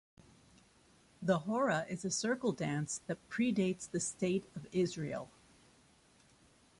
The Horah is a circle dance that predates the State of Israel.